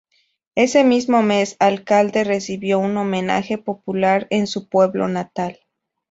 Ese mismo mes Alcalde recibió un homenaje popular en su pueblo natal.